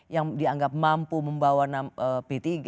yang dianggap mampu membawa p tiga